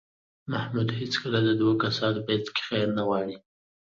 محمود هېڅکله د دو کسانو منځ کې خیر نه غواړي.